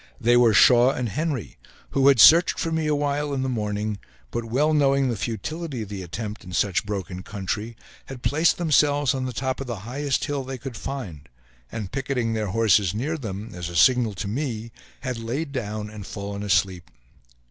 They were Shaw and Henry, who had searched for me a while in the morning, but well knowing the futility of the attempt in such a broken country, had placed themselves on the top of the highest hill they could find, and picketing their horses near them, as a signal to me, had laid down and fallen asleep.